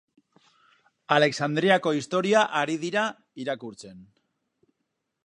Alexandriako historia ari dira irakurtzen.